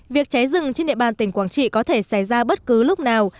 việc cháy rừng trên địa bàn tỉnh quảng trị có thể xảy ra bất cứ lúc nào